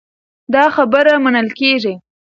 دا خبره منل کېږي.